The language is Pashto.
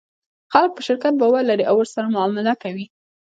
خلک په شرکت باور لري او ورسره معامله کوي.